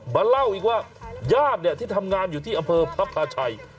มาเล่าอีกว่าญาติที่ทำงานอยู่ที่อำเภอพระพาชัย